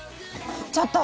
ちょっと。